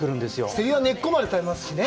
セリは根っこまで食べますしね。